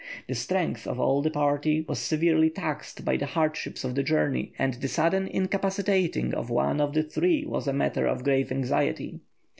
The strength of all the party was severely taxed by the hardships of the journey, and the sudden incapacitating of one of the three was a matter of grave anxiety.